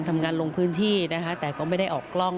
ทำงานลงพื้นที่นะคะแต่ก็ไม่ได้ออกกล้อง